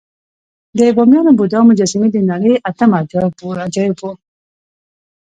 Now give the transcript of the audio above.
د بامیانو بودا مجسمې د نړۍ اتم عجایب وو